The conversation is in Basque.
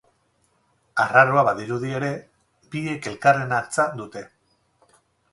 Arraroa badirudi ere, biek elkarren antza dute.